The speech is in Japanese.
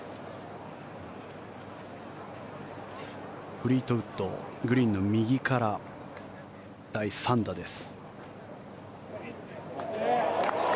フリートウッドグリーンの右から第３打です。